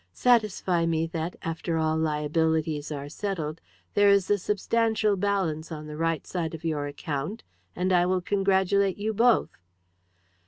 Satisfy me that, after all liabilities are settled, there is a substantial balance on the right side of your account, and I will congratulate you both."